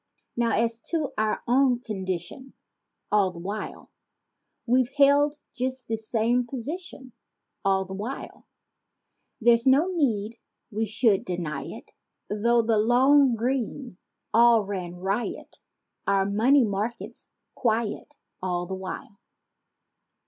48 Now as to our own condition All the while, We've held just the same position All the while— There's no need we should deny it Though the "long green" all ran riot Our "money markets" quiet All the while.